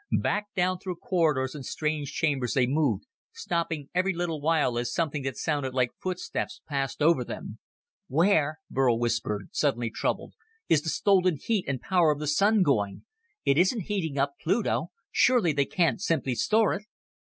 Back down through corridors and strange chambers they moved, stopping every little while as something that sounded like footsteps passed over them. "Where," Burl whispered, suddenly troubled, "is the stolen heat and power of the Sun going? It isn't heating up Pluto. Surely they can't simply store it."